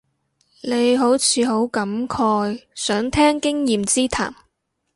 你好似好感慨，想聽經驗之談